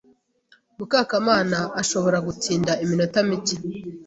Mukakamana ashobora gutinda iminota mike.